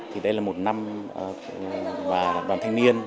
thì đây là một năm và đoàn thanh niên